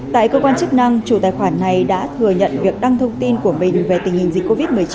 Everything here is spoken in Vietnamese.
tại cơ quan chức năng chủ tài khoản này đã thừa nhận việc đăng thông tin của mình về tình hình dịch covid một mươi chín